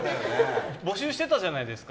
募集してたじゃないですか。